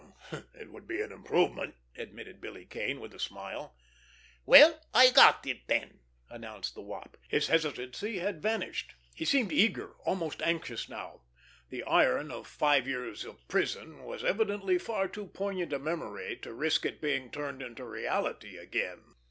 "It would be an improvement," admitted Billy Kane, with a smile. "Well, I got it, then!" announced the Wop. His hesitancy had vanished. He seemed eager, almost anxious now. The iron of five years of prison was evidently far too poignant a memory to risk it being turned into reality again.